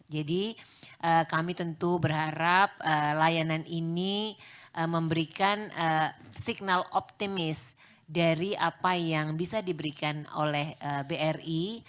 jadi kami tentu berharap layanan ini memberikan signal optimis dari apa yang bisa diberikan oleh bri